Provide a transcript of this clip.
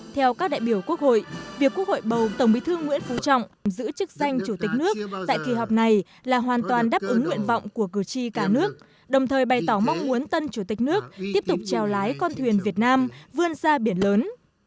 theo các đại biểu quốc hội việc quốc hội bầu tổng bí thư nguyễn phú trọng giữ chức danh chủ tịch nước tại kỳ họp này là hoàn toàn đáp ứng nguyện vọng của cử tri cả nước đồng thời bày tỏ mong muốn tân chủ tịch nước tiếp tục trèo lái con thuyền việt nam vươn ra biển lớn